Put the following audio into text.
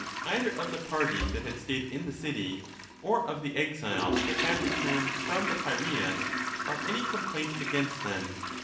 either of the party that had stayed in the city or of the exiles that had returned from the Piraeus, brought any complaint against them.